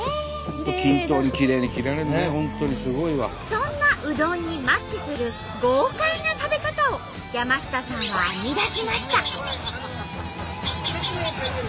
そんなうどんにマッチする豪快な食べ方を山下さんは編み出しました。